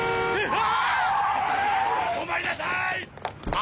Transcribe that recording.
あ！